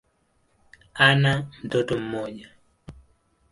Ana mtoto mmoja.